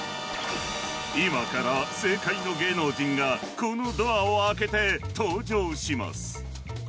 ［今から正解の芸能人がこのドアを開けて登場します］